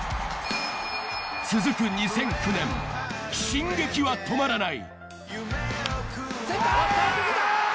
続く２００９年、進撃は止まらない。